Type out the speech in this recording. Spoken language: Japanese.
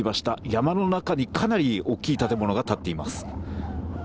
山の中にかなり大きい建物が建っています。